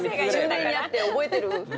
１０年やって覚えてる。